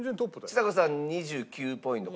ちさ子さん２９ポイントかな。